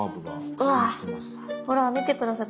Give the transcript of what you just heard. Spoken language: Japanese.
うわほら見て下さい。